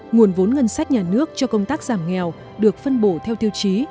nguồn vốn ngân sách nhà nước cho công tác giảm nghèo được phân bổ theo tiêu chí